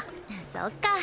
そっか。